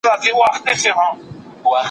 په لږو شیانو بسنه وکړه.